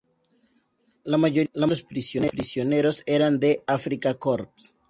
La mayoría de los prisioneros eran del Afrika Korps.